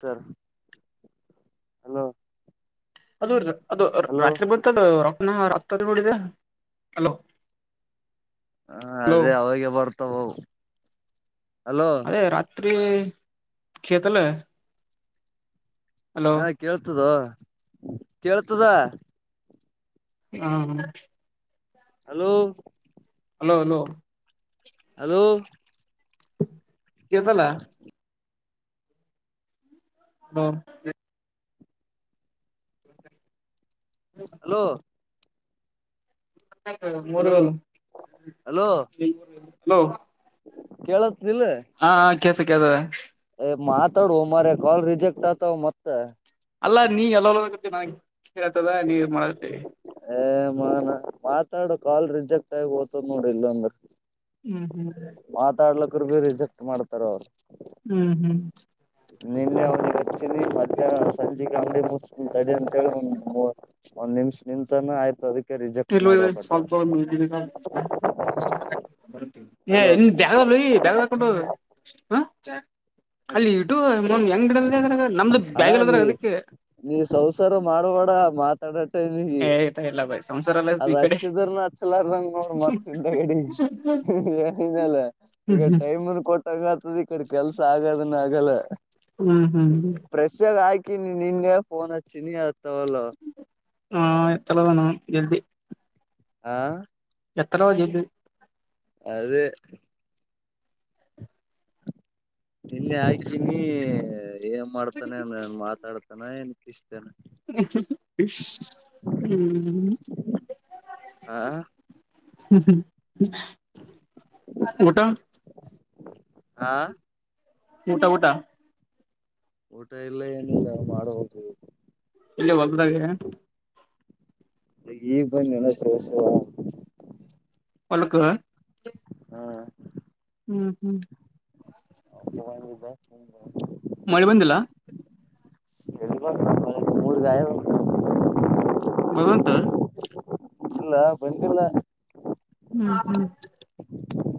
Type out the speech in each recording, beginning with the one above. ಸ [unintelligible] ಹಲೋ ಅದು ಅದು ಹಲೋ ರಾತ್ರಿ ಬಂತ ರ ನಾ ರಕ್ತ ಬಿಡಿದೆ ಹಲೋ ಹ ಹಲೋ ಅದೇ ಅವಾಗ ಬರ್ತ ತ್ತ ಹಲೋ ಕತ್ರಿ ಕಷಯತಲ್ಲ ಹಾ ಕೇಳ್ತದ ಕೇಳ್ತದ ಹಾ ಹಲೋ ಹಲೋ ಹಲೋ ಅಲೋ ಕತಲ್ಲ ಹೌ ಹ ಹಲೋ ಹ ಮೂರು ಹಲೋ ವಲ ಹಲೋ ಕೇಳತ್ ಇಲ್ಲ ಕೆಸ ಕೆತಾವ ಮಾತಡುವ ಮರೆ ಕಲ್ ರರಿಜೆಕ್ಟ್ ಅತ ಮತ್ತ ಅಲ್ಲಾ ನೀ ಎಲ್ಲ ಗತ್ತ ನ ಕತದ ನೀವ ಮಾಡತರಿ ಮಾ ನ ಮಾತಾಡು ಕಾಲ್ ರಿಜೆಕ್ಟ್ ಆಗಿ ಓ್ತದ್ ನೋಡಿ ಇಲ್ಲೊಂದ್ರ ಹ್ಮ್ ಹ್ಮ್ ಮಾತಾಡಲು ಬ ಬೇ ರಜಕ್ಟ್ ಮಾಡ್ತಾರ ಅವ್ರು ಹ್ಮ್ ಹ್ಮ್ ನಿನ್ನೆ ಒ್ನ್ ಹೆಚ್ಚಿನಿ ಮಧ್ಯಾಹ್ನ ಸಂಜೆ ಅಂಗಡಿ ಮು ತಡೆ ಅಂತೇಳಿ ಒ [unintelligible] ಒಂದ್ ನಿಮಿಷ ನಿಂತಾನ ಆಯ್ತ ಅದಕ್ ಸ್ವಲ್ಪ ಅಲೋ ನಿ ಬ್ಯಾಗ ಬ್ಯಾಗ ಹಾಕೊಂಡ [unintelligible] ಹ ಅಲ್ಲಿ ಇಡು ಹೆಂಗ್ ಇಡದ್ರಾಗ ನಮ್ದು ಹಣ ಬ್ಯಾಗ್ ನೀ ಇಲ್ಲದ್ರಾಗ ಅದಕ್ಕೆ ನೀ ಸಂಸಾರ ಮಾಡುವಡ ಮಾತ್ ತದ [unintelligible] ಏ ಆಯ್ತಾ ಎಲ್ಲ ಬಯಸ [unintelligible] ಅದ್ ಹಚ್ಚಿದ್ರನ ಹಚ್ಲಾರಂಗ ನೋ್ರ ಮತ್ತಗಡಿ ಲ್ಲ ಹ್ಮ್ ಈಗ ಹ್ಮ್ ಟೈಮನ್ ಕೊಟ್ಟಂಗ ಆತದ ಈ ಕಡೆ ಕೆಲ್ಸ ಆಗದನ್ನ ಆಗಲ್ಲ ಹ್ಮ್ ಹ್ಮ್ ಫ್ರೆಶ್ ಆಗ ನಿನ್ನೆಫೋನ್ ಹಚ್ಚಿ ನೀ [unintelligible] ಹಾ ಎತ್ತಲ್ಲಣ ಜಲ್ದಿ ಹಾ ಎತ್ರೋ ಜು [unintelligible] ಅದೇ ನಿನ್ನೆ ಹಾಕಿನಿ ಏನ್ ಮಾಡ್ತಾನೆ ಅಂದನ್ ಮಾತಾಡ್ತಾನನ್ ಇಷ್ಟತೇನೆ [unintelligible] ಹ್ಮ [unintelligible] ಆ ಹ್ಮ್ ಹ್ಮ್ ಊಟ ಆ ಊಟ ಊಟಾ ಊಟ ಇಲ್ಲ ಏನಿಲ್ಲ ಮಾಡಬೇಕು ಈಗ ಇಲ್ಲಿ ಹೊಲ್ದಾಗೆ ಈಗ್ ಬನ್ನಿ ನನ ಶಿವ ಶಿವ ಹೊಲಕ ಹ್ಮ ಹ್ಮ್ ಹ್ಮ್ ಹ [unintelligible] ಮಳೆ ಬಂದಿಲ್ಲ ಎ ಮೂರ್ಗಾಯ [unintelligible] ಬರೋಂತ ಇಲ್ಲ ಬಂದಿಲ್ಲ ಹ್ಮ್ ಹ್ಮ್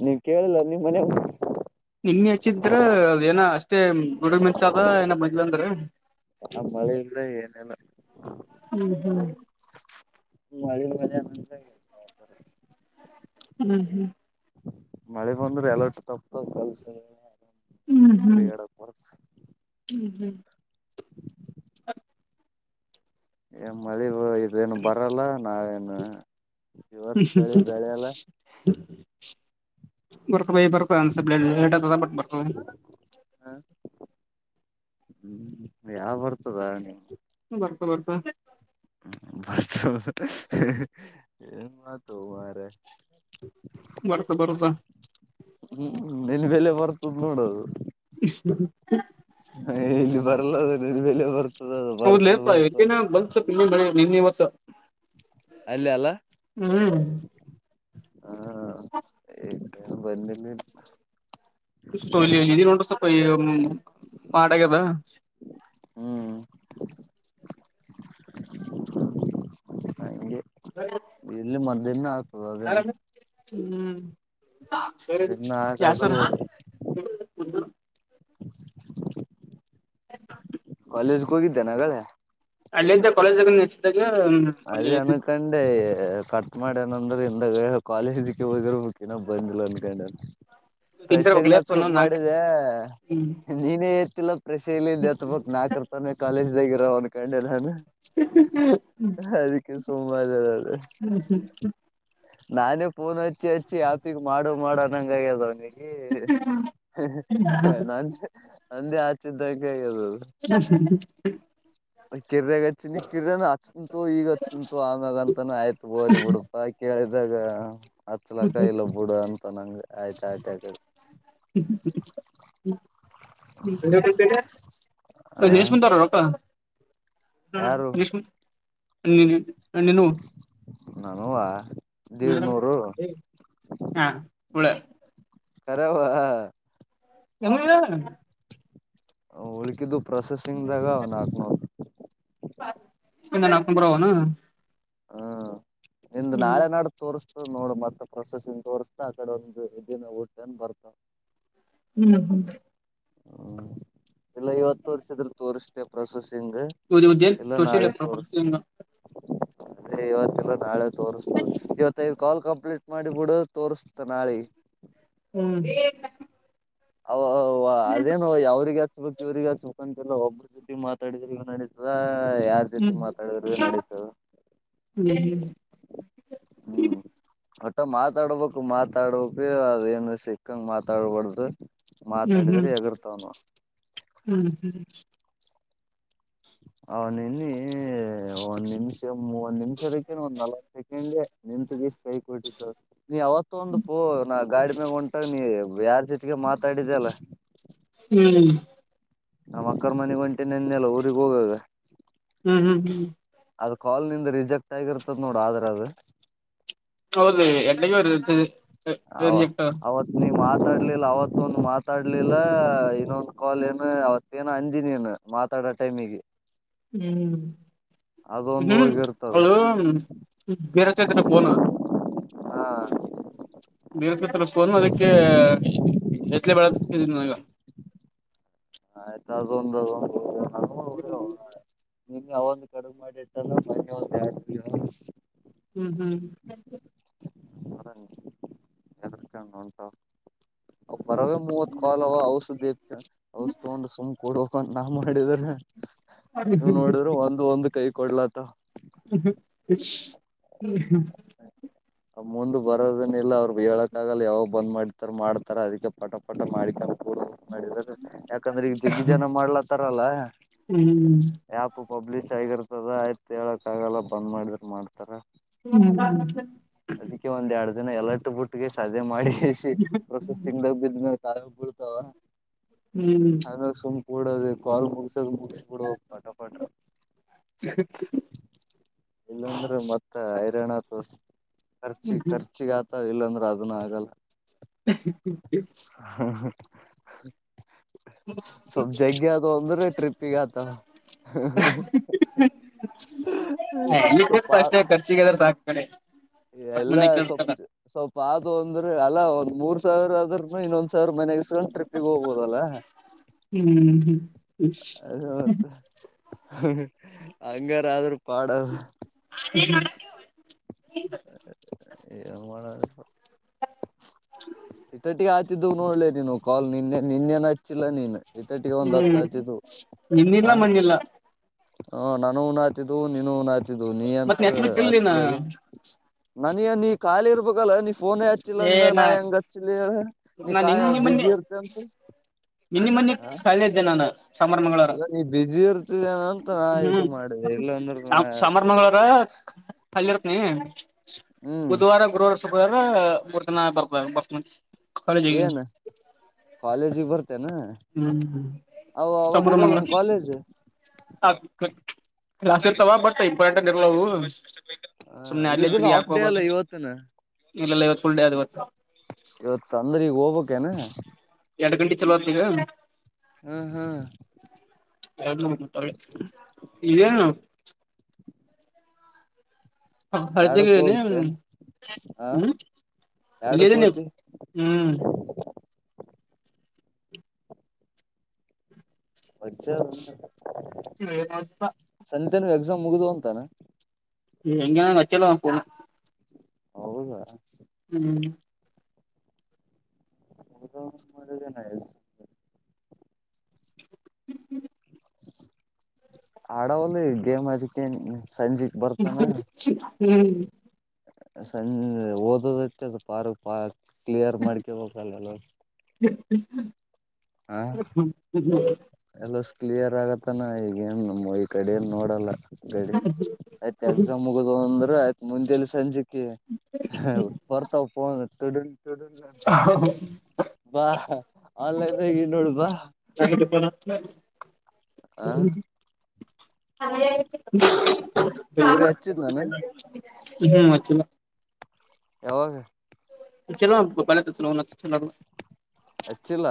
ನೀವ ಕೇಳಿಲ್ಲ ನಿಮ್ಮ್ ಮನ್ಯಾಯಗ್ ನಿನ್ ಹೆಚ್ಚಿದ್ರ ಅದೇಏನ ಅಷ್ಟೇ ಗುಡು ಮಿನ್ಚದ ಆದ ಇನ ಬಂದಿಲ್ಲ ಅಂದ್ರ ಆ ಮಳೆ ಇಲ ಏನೆಲ್ಲ ಹ್ಮ್ ಹ್ಮ್ ಮಳ ಮೆ [unintelligible] ಹ್ಮ್ ಹ್ಮ್ ಮಳೆ ಬಂದ್ರೆ ಎಲ ತಪ್ತವ್ ಕೆಲ್ಸ ಏನಾನಾ ಹ್ಮ್ ನಂದು ಹ್ಮ್ ತಿರಿಗಡೆ ಪರಸ್ ಎ ಮದೇವ್ ಇದೇನು ಬರಲ್ಲ ನಾವೇನು ದಿವರ್ಸ್ ಬೆಳಿ ಬೆಳೆಯಲ್ಲ [unintelligible] ಹ್ಮ್ ಯಾವ್ ಬರ್ತದ ನೀವು ಬರ್ತ [unintelligible] [unintelligible] ಏನಾತೋ ಮಾರಾಯ ಬರ್ತ ಬರುತೆ. ಹ್ಮ್ ನಿಲ್ ಬೆಲೆ ಬರ್ತದ್ ನೋಡದು. ಹಾ ಹೇಲ್ಯೂರ್ ಬ ಅಲ್ಲರ್ ಕ ಮೇಲ್ ಮೇಲೆ ಬರ್ತದದು ಬರ್ತದ್ ಬರ್ತದೆ. ನಿನ್ನಿವಸ. ಅಲ್ಲಿ ಅಲ್ಲ. ಹ್ಮ್. ಏ [inaudible] ನ್ ಬಂದಿಲ್ಲಿನ್. ಸ್ಟೋಲಿಲಿಯ ಇರೊಂಡ್ ಈ ಹ್ಮ್ ಪಾಡೆಗದ. [unintelligible] ನಾ ಇಂಗೆ. ಎಲ್ಲಿ ಮಲ್ಕ್ ದಿನ್ನ. ನಾಳೇಅಂಗ. ಹ್ಮ್. [unintelligible] ಸೆರೆ ಗುಚ್ಚಿ ಮಧ್ಯಾಹ್ನ ಆಗದು ಕ್ಯಾಸರ. [unintelligible] [unintelligible] [unintelligible] ಲೇಜ್ಗ್ ಹೋಗಿದ್ದೇನ್ ಅಗಳೆ. ಅಲ್ಲಿಂದ ಕಾಲೇಜಗನ್ ನೆಚ್ತೆ ಗೇಮ್ ವಲ್ಲೀಕ್ರಿಮ್. ಏ ಕಟ್ ಮಾಡೆನಂದ್ರೆ ಇಂದಗಡೆ ಕಾಲೇಜಿಸಿಕ್ಕಿ ಹೋಗಿರ್ಬೇಕ್ ಇನ್ನ ಬಂದಿಲ್ಲ ಅನ್ಕಡ್ಯಾರ್ ಟೀಚರ್ ಹೋಗ್ಲಪ್ಪ ಪ್ರಷಗನಚ್ಬೇಕ್ ನಾಕ್ ಮಾಡಿದೇ ನೀನೇನ್ ತಿಲ್ಲ. ಪ್ರಶೀಲಿನ್ ಎತ್ಬೇಕ್ ನಾ ಕರ್ತಾನೆ ಕಾಲೇಜ್ ಲೆಗಿರಮನ್ ಕಂಡೆ ಇಲ್ಲಾ ಅಂದ್ರೆ. ಹ್ಮ್ ಹ್ಮ್ ಹ್ಮ್. ಹಾದಿಕ್ಕೆ ಸೋಮುವಾರ್ ಇರದ. [unintelligible] ನಾನೇ ಫೋನ್ ಹಚ್ಚಿ ಹಚ್ಚಿ ಯಾಪಿಗ್ ಮಾಡು ಮಾಡು ಅನಂಗ್ ಆಗ್ಯಾದ್ ಅವ್ನಿಗೆ. ಏ ಹಹ್ ಹ್ ನಾನ್ಸೆ ನಂದೇ ಆಚಿದ್ದಕ್ ಅಗೇದದು. ಕಿರ್ಯಗ್ ಅಚಿನಿ ಕಿರ್ಯನ. ತೂ ಈಗ ಚಂತು ಆಮ್ಯಾಗ ಅಂತಾನ ಆಯ್ತ್ ಓಲಿ ಬುಡುಪಾಕೆ ಕೇಳಿದಾಗಾ. ಮತ್ಲಕ್ಕ ಇಲ್ಲ ಬಿುಡು ಅಂತ ನಂಗ ಆಯ್ತಾ ಆಟ ಆಕ [unintelligible] ಹ ಆ [inaudible] ಹ್ಮ ಯಾರು ವಿಷ್ಣು ನಿನು ನಾನೂವ ನ ಹಾ ಹೇಳು ಕರವು ನಮ್ಮ ಉಳಕಿದ್ದುಪ್ಪ ಪ್ರೊಸೆಸಿಂಗ್ದಾಗ ಒ ನಾಲ್ಕನೂರು ಇ ನಾ ಸಂಂಬ್ರನು ಹಾ ನಿಂದು ನಾಳೆ ನಾಡುದ್ ತೋರ್ಸ್ ನೋಡ ಮತ್ತೆ ಪ್ರೊಸೆಸಿಂಗ್ ತೋರ್ಸ್ ಆ ಕಡೆ ಒಂದು್ ದಿನ ಊಟನ್ ಬರ್ತವ ಹ್ಮ್ ಹ ಹ್ಮ್ ಎಲ್ಲಾ ಇವತ್ತು ವರ್ಷದ ತೋರ್ಸ್ತೆ ಪ್ರಶಸ್ತಿ ಸಿಂಗ್ ಉದ್ಯ ಎಲ್ಲ ಸೋಷಿಯಲ್ ನಾಳೆ ಹ್ಮ್ ತೋರ್ಸ್ ಹ್ಮ್ ಅದೇ ಇವತ್ತಲ್ಲಾ ನಾಳೆ ತೋರಿಸತ [unintelligible] ಇವತೆ ಕಾಲ್ ಕಂಪ್ಲೀಟ್ ಮಾಡಿಬಿಡು ತೋರುಸ್ತೆ ನಾಳೆ ಹ್ಮ್ [unintelligible] ಅ ಅವ್ವ ಅದೇನು ಯ ಅವ್ರಿಗೆ ಹಚ್ಬೇಕ್ ಇವ್ರಗ್ ಹಚ್ಬೇಕಂತಿಲ್ಲ ಒಬ್ರ ಜೊತೆ ಮಾತಾಡಿದ್ರ ಈಗ ನಡೀತದಾ ಯಾರ್ ಜೊತೆ ಹ್ಮ್ ಮಾತಾಡಿದ್ರು ನಡೀತ ಹ್ಮ್ ಮತ್ತ ಮಾತಾಡ್ಬೇಕು ಮಾತಾಡ್ ಅದಏನು ಸಿಕ್ಕಂಗ ಮಾತಾಡ್ಬಾರ್ದು ಹ್ಮ್ ಹ್ಮ್ ಮಾತಾಡಿದ್ರೆ ಎಗರ್ತಾವನು ಹ್ಮ್ ಹ್ಮ್ ಹ ನಿನ್ನ ಈ ಒಂದ್ ನಿಮಿಷ ಮೂವಂದ್ ನಿಮಿಷದಕ್ಕ ಒಂದ್ ನಲ್ವ ಸೆಕೆಂಡ್ಗೆ ನಿನ್ಂತ ಬಸ್ ಕೈ ಕೊಟ್ಟಿದ್ದ ನೀ ಯಾವತ್ತು ಒಂದು ಪೋ ನಾ ಗಾಡಿ ಮ್ಯಾಗ ಹೊಂಟಾಗ ನೀ ಯಾರ್ ಜೊತೆಗೆ ಮಾತಾಡಿದ ಅಲ್ಲ ಹ್ಮ್ ನ್ ಅಕ್ಕರ ಮನೆಗ್ ಹೊಂಟೆ ನೆನ್ನೆಲ್ಲ ಊಗ್ ಹೋಗಾಗ ಹ್ಮ್ ಹ್ಮ್ ಹ್ಮ್ ಅದ ಕಾಲ್ ನಿಂದ ರಿಜೆಕ್ಟ್ ಆಗಿರ್ತದ ನೋಡು ಆದ್ರೆ ಅದು ಹೌದು ಎಟಗ ವ ಇ [inaudible] ಅವ ಅವತ್. ಮಾತಾಡ್ಲಿಲ್ಲ ಅವತ್ತ ಒಂದು ಮಾತಾಡ್ಲಿಲ್ಲ ಇನ್ನೊಂದ ಕಾಲ್ ಏನು ಅವತ್ತ ಏನ ಅಂಜಿನಿ ಏನು ಮಾತಾಡೋ ಟೈಮಿಗೆ. ಹ್ಮ್ ಅದೊಂದು ಹ್ಮ್ ಹೋಗಿರ್ತದ ಅವಳ ಬರಚೇತ್ರ ಪನ. ಹಾ ಬೀರ್ತ ಫೋನ್ ಅದಕ್ಕೆ ಎತ್ಲೆ ಬೆಳದೀನಿ ನಗ. ಆಯ್ತಾ ಅದ ಒಂದು್ ಅ ಒಂದು. ಹ್ಮ್ಮ. ನಿಮ್ಗೆ ಅವ ಒಂದ ಕಡುಗ ಮಾಡಿ ಇಟ್ಟಲ್ಲ ಮನ್ನೆ ಒಂದಡ. ಹ್ಮ್ ಹ್ಮ್. ಚ ಎದರಿಕ ಉಂಟಾವ. ಪರವೇ ಮೂವತ್ ಕಲ್ವ ಔಷ ದೇ ಔಷ ತಗೊಂಡ್ ಸುಮ್ ಕೊಡು. ಕೊಂಡ ನಾ ಮಾಡಿದ್ರ. ನೀವು್ ನೋಡಿದ್ರು ಒಂದು ಒಂದ್ ಕೈ. ಕೊಡ್ಲತ. ಹ್ಮ್ಮ. ಮುಂದ ಬರೋದನಿಲ್ಲ ಅವ್ರುಗ್ ಹೇಳಕ್ಕಾಗಲ್ಲ ಯಾವಾಗ ಬಂದ್ ಮಾಡಿತಾರ ಮಾಡ್ತಾರ ಅದಕ್ಕೆ ಪಟ ಪಟ ಮಾಡಿಕ. ಯಾಕಂದ್ರೆ ಈಗ ಜಿಗ್ಗಿ ಜನ ಮಾಡ್ಲಾತರಲ್ಲ ಹ್ಮ್ ಯಾಪು. ಪಬ್ಲಿಷ್ ಆಗಿರ್ತದ ಆಯ್ತು ಹೇಳಕ್ ಆಗಲ್ಲ ಬಂದ್ ಮಾಡಿದ್ರ ಮಾಡ್ತಾರ. ಹ್ಮ್ ಹ್ಮ ಹ್ಮ. ಅದಕ್ಕೆ ಒಂದ ಎರಡು. ಇದನ್ನ ಎಲಟ್ಟು ಬಿುಟ್ಟಿಗೆ ಸಾದೆ ಮಾಡಿ. ಕ ಸಿಿ ಪ್ರೊಸೆಸಿಂಗ್. ಕಾವ ಬಿರುತವಾ. ಹ್ಮ್. ಕೂಡೋದೆ ಕಾಲ್. ಮುಗಿಸಬಿಡುವ ಪಠ ಪಠ ಇಲ್ಲಾಂದ್ರೆ ಮತ್ತ ಹೈರಾಣ. ಹ. ಖರ್ಚಿ ಖರ್ಚಿಗ ಆ. ಇಲ್ಲಾಂದ್ರೆ ಅದನ್ನ ಆಗಲ್ಲ. ಹ್ಮ್ಮ್. ಹ ಅಂದ್ರೆ ಟ್ರಿಪ್ಪಿಗೆ ಆತಾವ ಅಷ್ಟೇ ಖರ್ಚಿಗೆದ್ರ ಸಾಕ್ ಕಡೆ. ಒಟ್ ಎಲ್ಲ ಮನೆ ಸ್ವಪ್ ಕೇಳ್ತಾರ ಸ್ವಲ್ಪ ಆದದು ಅಂದ್ರೆ ಅಲ್ಲ ಒಂದ್ ಮೂರ್. ಸರ್ ಅದ್ರ ಇನ್ನೊಂದ್ ಸಾರ್. ಮನೆಗೆಸ್ಕೊಂಡು ಟ್ರಿಪ್ಪಿಗೆ ಹೋಗ್ಬೋದಲ್ಲ ಹ್ಮ್ ಹ್ಮ್ ಹ್ಮ್ ಅಂತ. ಹಂಗಾರ ಆದರುೂ ಪಾಡ. ಹ್ಮ್ಮ್. ಮ್ಮ ಹ ಇಟಟ್ಟಿಗೆ ಆತಿದ್ದುವು ನೋಡ್ಲಿೇ ನೀನು ಕಾಲ್ ನಿನ್ನೆ ನಿನ್ನೆನ್ ಹಚ್ಚಿ ಹ್ಮ್ ನಿನ್ನಿಲ್ಲ ಮಂದಿಲ್ಲ ಹಾ ನಾನು ನ್ ಆ್ತಿದ್ದು ನೀನುನ್ ಆತಿದು ನೀ ಮತ್ ಅಂತ ನೆಚ್ಬೇಕಿಲ್ನ ಹಲಿಲ್ಲ ನನ ನೀ ಕಾಲಿರ್ ಾಗಲ ಫೋನೇ ಹಚ್ಚಿಲ್ಲ ಅಂದ ಮ್ಯಾಗ ಏನ ನಾ ಹೆಂಗ ಹಚ್ಚಿಲ್ಲ ಹೇಳ. ನೀ ನಾನ್ ಕಾಯ ಬ ನಿನ್ನಿ ಮೊನ್ನೆ ಬಿಜಿ ಇರತ ಅಂತ ನಿನ್ನಿ ಮನೆಿ ಹ ಸಳೆ್ದೆ ನಾನು ಸಾಮಾರ್ ಮಂಗಳವಾರ ಅಲ್ಲ ನೀ ಬ್ಯುಸಿ ಇರ್ತಿದೇನ ಅಂತ ನಾ ಇದು ಹ್ಮ್ ಮಾಡಿದೆ ಇಲ್ಲಾಂದ್ರ ನಾ ಹಾ ಹಾಲಿಿಯರತ್ನ ಹ್ಮ್ ಬುಧವಾರ ಗು ಊರ್ನ ಬರ್ಬ ಬರ್ ಏನ್ ಕಾಲೇಜಿಗೆ ಬರ್ತೆೇನಾ ಹ್ಮ್ ಹ್ಮ್ ಸಮ್ರ ಮಂಗಗಳ ಕಾಲೇಜ್ ಜಸ್ತಿ ಇರ್ತಾವ ಬಟ್ ಇಂಪಾರ್ಟೆಂಟ್ ಇರ್ಲವು ಹ ಇದನ್ನು ಆಫ್ ಡೇ ಅಲ್ಲ ಇವತ್ತಿನ ಇಲ್ಲ ಇವತ್ತು ಫಲ್ ಡೇ ಆದ ಇವತ್ತು ಇವತ್ತು ಅಂದ್ರೆ ಈಗ ಹೋಗ್ಬಕ್ ಕನ ಎರಡು ಗಂಟೆ ಚಲೋತವ ಹ್ಮ್ ಹ್ಮ್ ಯ ಇದೇನು ಎರಡಕ್ ರ್ತಿದ್ದೇನೆ್ಮ ಹೋಗ್ತೇನ್ ಹ ಹ್ಮ್ ಇಲ್ಲಿ ಎರಡಕ್ ಇದ್ದನೆ ಹೋತಿ ಹ್ಮ್ ಒ ಸಂತನು. ಸ ಮುಗಿದ ಅಂತಾನ. ಎಂಗ ಕಚ್ಚಲ್ಲವಾ ಹೌದಾ ಹ್ಮ್ ಹದ ಜನ ಹ್ಮ್ ಹ್ಮ್ ಆಡವಲ್ಲ ಗೇಮ್ ಅದಕ್ಕೆೇ ಸಂಜೆೆಗೆ ಬರ್ತಾನ ಹ್ಮ್ ಸಂಜ ಓದದಕ್ಕೆ ಅದು ಪಾರ್ ಪಾ ಕ್ಲಿಯರ್ ಮಾಡ್ಕ ಹಲ್ಲಲ್ಲ ಹ್ಮ ಹ್ಮ ಹಾ ಎಲ್ಲ ಕ್ಲಿಯರ್ ಆಗತ್ತ ತನ ಈಗೇನು ನಮ್ಮ ಈ ಕಡಲಿ ನೋಡಲ್ಲ ಗಡಿ ಆಯ್ತ ಎಕ್ಸಾಮ್ ಮುಗದು ಒಂದ ಯ್ತ್ ಮುಂದೆಲ್ಲಿ ಸಂಜೆ ಬರ್ತಾವ ಫೋನ್ ತೊಡ ಬಾ ನ್ಲೈನ್ ನಪ್ಪಲ ಹ್ಮ್ಮ್. ಹ ಕಿರಿ ಹಚ್ಚಿದ್ ನಾನು ಹ್ಮ್ ಮತ್ತ ಯಾವಾಗ ಚಲೋ ಚ ಚ ಅಚ್ಚಿಲ್ಲ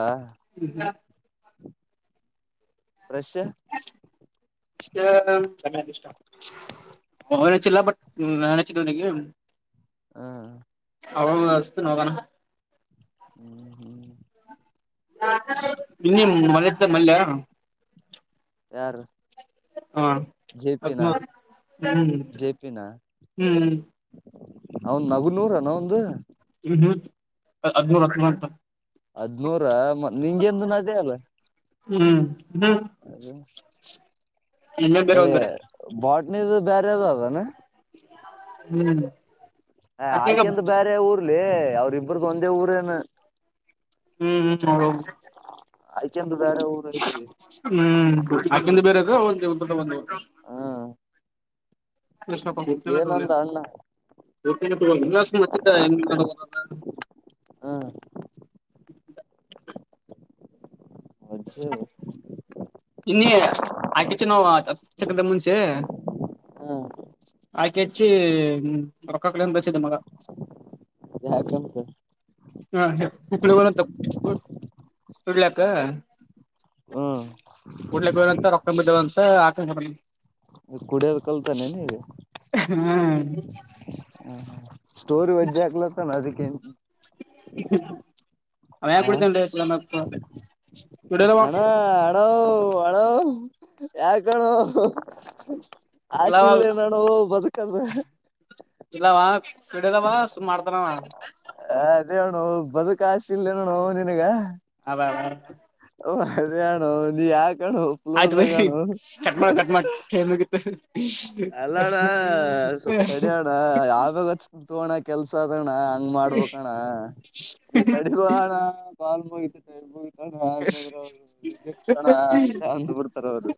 ಫ್ರಷ್ ಇಷ್ಟ ಚನ್ನಯ ಇಷ್ಟ ಅವನ್ಚ್ಚಿಲ್ಲ ಬಟ್ ನಾನನ್ಚ್ಚಿದ್ದ ನನಗೆ ಹ್ಮ್ ಅವ ವಸ್ತು ನೋಕಾನ ಹ್ಮ್ ಹ್ಮ್ ಇನ್ನ ಮಲತ ಮಲ್ಲ ಯಾರ ಹಾ ಅದ್ಮ ಹ್ಮ್ ಜೆ ಪಿನ ಹ್ಮ್ ಹ್ಮ ಅವನ್ ನಗು ನೂರ ನ ಒಂದ್ ಹ್ಮ್ಮ ಹ ಹದ್ನೂರ ಮ ನಿಂಗೆಂದ ಅಜೇ ಅಲ್ಲ [inaudible] ಹ್ಮ್ ಹ್ಮ ಎಲ್ಲ ಬೇರೆ ಹೋಗ ಬೇರೆ ಇದು ಬೇರೆಾವ್ ಅದಾನ ಹ್ಮ್ ಹ ಅಕ್ಕಗ ಆಯ್ಕೆಂದು ಬೇರೆ ಊರ್ಲಿ ಯ್ರ ಇಬ್ಬ್ರಗು ಒಂದೇ ಊರೇನು [unintelligible] ಆಯ್ತ ಹ್ಮ್ ಅಂದ ಬೇರೆ ಅದು ಬ [inaudible] ಹ ಸಕ ಮಟಲ ಏನಂದ ಅಣ್ಣ ಹ [unintelligible] [unintelligible] ಹಾ ಮಜ್ಜೆ ಚಿನಿ ಆಕೆಚು ನಾವು ಚಕದ ಮುಂಚೆ [inaudible] ಹ್ಮ ಆಯ್ಕೆಚ್ಚಿ ರೊಕ್ಕ ಕಡೆ ಬೆಚ್ಚಿದ್ದ ಮಗ [inaudible] ಯಾಕಂತೆ [inaudible] ಹಾ ಕಪ್ಪಲ ಬ [unintelligible] ಸಡ್ಲಕ್ಕ ಹ್ಮ್ [inaudible] [unintelligible] ಹ ಆಕಾಶ [inaudible] ಕುಡಿಯದ ಕಲ್ತಾನೆ ನೀಗೆ ಹ್ಮ್ ಹ ಸ್ಟೋರಿ ವಜ್ಜೆ ಆಗ್ಲತ್ತ ಅದಕ್ಕೇನು ಹ್ಮ [inaudible] ಹ [inaudible] ಅವ ಯ ಹ ಕುಡತ ರ ಹ [inaudible] [inaudible] ಅ್ಣ ಆಡ ಹಳ ಯಾರ ಕಣ [inaudible] [inaudible] [inaudible] [inaudible] ಆ ಇಲ್ಲವ ಇಲ್ಲ ನಾನ ಬದುಕದು ಇಲ್ಲವಾ ಸಿಡದವ ಸ ಮಾಡ್ತನ ಹ ಅದೇಣ ಬದುಕ ಆಶ ಇಿಲ್ಲ ನೋಣ ನಿನಗ ಅ [unintelligible] ಅರೆಯಣೋ ನೀ ಯಾ ಆಯ್ತು ಬೈ ಕಟ್ ಮಾಡ ಕಟ್ ಮಾಡೇಬೇಕಿತ್ತು ಅಲ್ಲ ಅಣ್ಣ ಸ್ವಪ್ ತಡ ಅಣ್ಣ ಯಾವ್ಯಾಗಚ್ ಕುತ್ ಅಣ್ಣ ಕೆಲ್ಸ ಅದಣ್ಣ ಹಂಗ್ ಮಾಡ್ಬಣ್ಣ ನೀ ತಡಿಬೋ ಅಣ್ಣ ಕಾಲ್ಮಯ ್ರ ಅವರು ರಿಜೆಕ್ಷಣ ಅಂತಂದ್ಬಿಡ್ತಾರ ಅವರು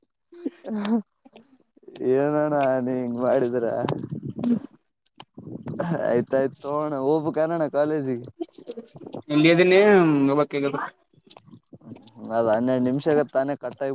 ಏನ ನಾ ಹೆಿಂಗ ಮಾಡಿದ್ರ ಹ್ಮ್ [unintelligible] ಆಯ್ತಾಯಯ್ತ ತೋಣ ಹೋಗ ಕಣ [unintelligible] ಎಲ್ಲಿದನ್ನ ಹ್ಮ್ ಒಗ [unintelligible] [inaudible] ಅದು ಹನ್ನೆರಡು ನಿಮಿಷ ಆಗ ತಾನೇ ಕಟ್ಟ